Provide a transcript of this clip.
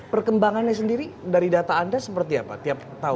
perkembangannya sendiri dari data anda seperti apa tiap tahun